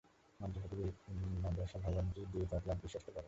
মাদ্রাসাটি ভবনটি দ্বিতল বিশিষ্ট ভবন।